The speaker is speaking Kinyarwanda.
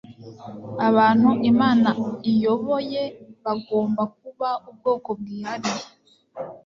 Abantu Imana iyoboye bagomba kuba ubwoko bwihariye.